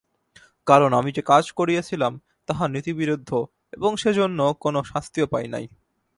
কারণ, আমি যে কাজ করিয়াছিলাম তাহা নীতিবিরুদ্ধ এবং সেজন্য কোনো শাস্তিও পাই নাই।